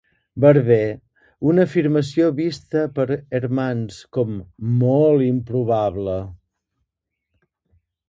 Berber, una afirmació vista per Hermans com "molt improbable".